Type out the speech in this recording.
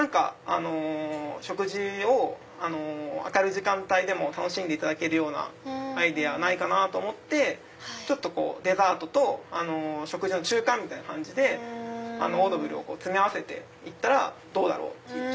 食事を明るい時間帯でも楽しんでいただけるようなアイデアないかなと思ってデザートと食事の中間みたいな感じでオードブルを詰め合わせたらどうだろう？と。